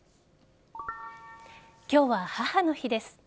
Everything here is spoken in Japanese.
今日は母の日です。